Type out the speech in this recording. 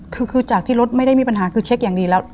คือคือจากที่รถไม่ได้มีปัญหาคือเช็คอย่างดีแล้ว